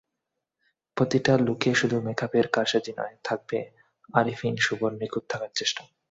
প্রতিটা লুকে শুধু মেকআপের কারসাজি নয়, থাকবে আরিফিন শুভর নিখুঁত থাকার চেষ্টাও।